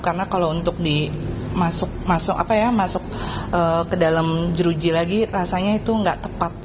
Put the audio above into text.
karena kalau untuk masuk ke dalam jeruji lagi rasanya itu nggak tepat